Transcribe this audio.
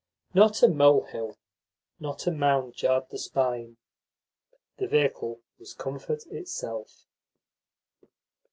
Not a molehill, not a mound jarred the spine. The vehicle was comfort itself.